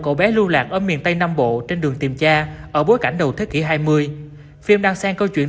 cậu bé lưu lạc ở miền tây nam bộ trên đường tìm cha ở bối cảnh đầu thế kỷ hai mươi phim đăng sang